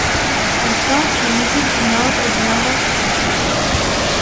Elle chante les musiques du nord et du nord-est du Brésil.